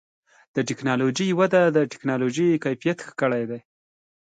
د ټکنالوجۍ وده د زدهکړې کیفیت ښه کړی دی.